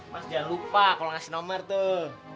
mas jangan lupa kalau ngasih nomor tuh